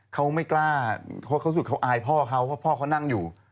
เขาไม่กล้าเขารู้สึกเขาอายพ่อเขาเพราะพ่อเขานั่งอยู่